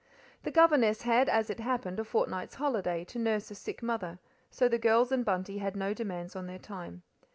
The governess had, as it happened, a fortnight's holiday, to nurse a sick mother, so the girls and Bunty had no demands on their time.